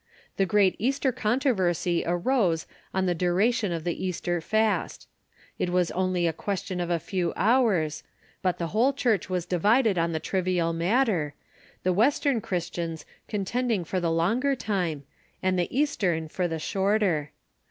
The great Easter controversy arose on the duration of the Easter fast. It was only a question of a few hours, but the whole Church was divided on the trivial matter, the West ern Christians contending for the longer time, and the Eastern for the shorter.